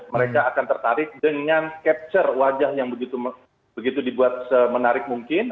mereka akan tertarik dengan capture wajah yang begitu dibuat semenarik mungkin